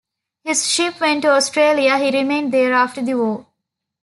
His ship went to Australia; he remained there after the war.